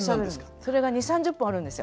それが２０３０分あるんですよ。